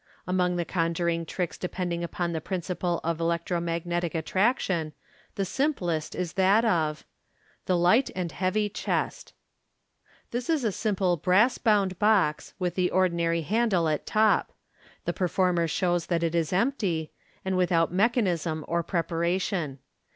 Among the conjuring tricks depending upon the principle of electro magnetic attraction, the simplest is that of The Light and Heavy Chest. — This is a small brass bound box, with the ordinary handle at top. The performer shows that it is empty, and without mechanism or preparation.